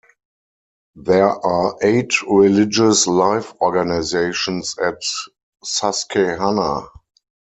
There are eight religious life organizations at Susquehanna.